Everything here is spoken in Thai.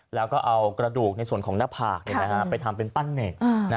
แล้วก็เอากระดูกในส่วนของหน้าผากไปทำเป็นปั้นเน่ง